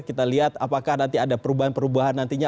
kita lihat apakah nanti ada perubahan perubahan nantinya